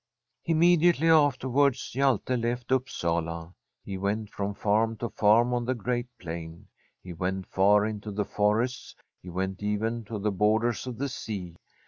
Immediately afterwards Hjalte left Upsala. He went from farm to farm on the great plain ; he went far into the forests ; he went even to the borders of the sea.